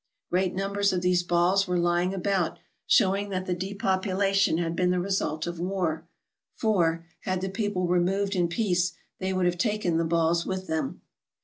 Great numbers of these balls were lying about, showing that the depopulation had been the result of war ; for, had the people removed in peace, they would have taken the balls with them.